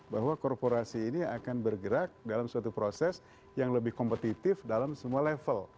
bahwa korporasi ini akan bergerak dalam suatu proses yang lebih kompetitif dalam semua level